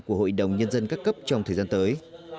của hội đồng nhân dân các cấp trong thời gian tới